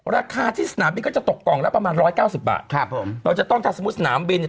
ราคาที่สนามบินก็จะตกกล่องละประมาณร้อยเก้าสิบบาทครับผมเราจะต้องถ้าสมมุติสนามบินเนี่ย